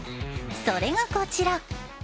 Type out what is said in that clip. それがこちら。